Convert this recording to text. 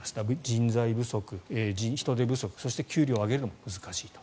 人材不足、人手不足そして給料を上げるのも難しいと。